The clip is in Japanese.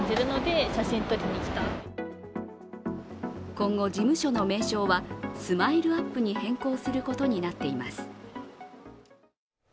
今後、事務所の名称は、ＳＭＩＬＥ−ＵＰ．に変更することになっています。